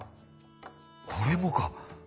これもか。